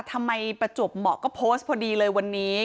ประจวบเหมาะก็โพสต์พอดีเลยวันนี้